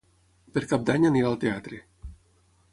Per Cap d'Any anirà al teatre.